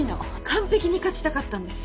完璧に勝ちたかったんです。